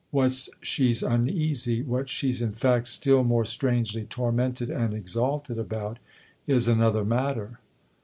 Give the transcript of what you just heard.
What she's uneasy, what she's in fact still more strangely tormented and exalted about, is another matter."